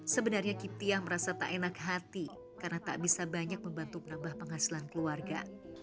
sebenarnya kiptia merasa tak enak hati karena tak bisa banyak membantu menambah penghasilan keluarga